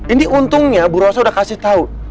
ini untungnya ibu rosa udah kasih tau